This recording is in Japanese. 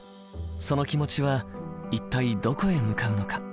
その気持ちは一体どこへ向かうのか。